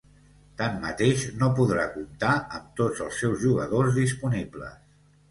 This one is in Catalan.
Tanmateix, no podrà comptar amb tots els seus jugadors disponibles.